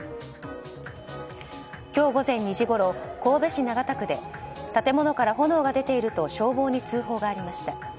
今日午前２時ごろ神戸市長田区で、建物から炎が出ていると消防に通報がありました。